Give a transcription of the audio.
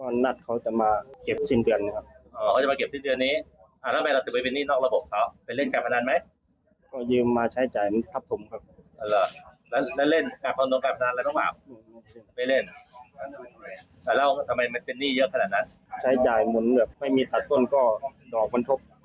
น้องทบตัวนะครับอ๋อน้องทบตัวนะ